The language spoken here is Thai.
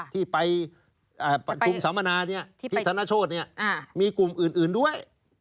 ที่ไปกลุ่มสามนาที่ธนโชฆมีกลุ่มอื่นด้วย